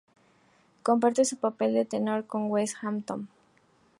Comparte su papel de tenor con Wes Hampton.